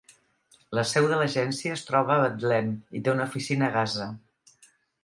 La seu de l'agència es troba a Betlem i té una oficina a Gaza.